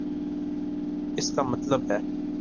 اس کا مطلب ہے۔